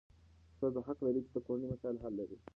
ښځه حق لري چې د کورنۍ مسایل حل کړي.